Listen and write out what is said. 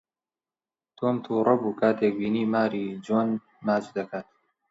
تۆم تووڕە بوو کاتێک بینی ماری جۆن ماچ دەکات.